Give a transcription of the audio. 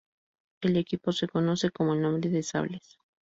El equipo se conoce con el nombre de Sables.